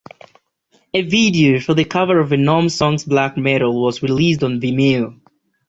A video for the cover of Venom's song Black Metal was released on Vimeo.